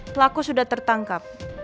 pelaku sudah tertangkap